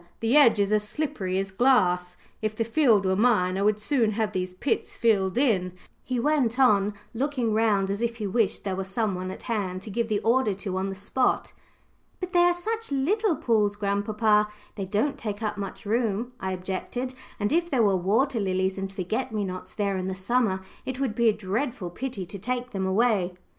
The edge is as slippery as glass. If the field were mine, I would soon have these pits filled in," he went on, looking round as if he wished there were some one at hand to give the order to on the spot. "But they are such little pools, grandpapa, they don't take up much room," I objected, "and if there were water lilies, and forget me nots there in the summer, it would be a dreadful pity to take them away."